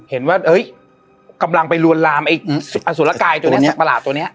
เห็นว่าเฮ้ยกำลังไปรวนลามอสุรกายตัวเนี่ยสัตว์ประหลาดตัวเนี่ย